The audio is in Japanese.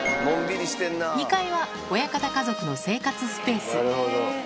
２階は親方家族の生活スペース。